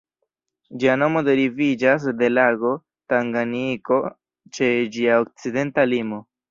Ĝia nomo deriviĝas de lago Tanganjiko ĉe ĝia okcidenta limo.